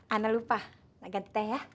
ana lupa gak ganti teh ya